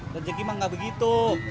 rezeki mah gak begitu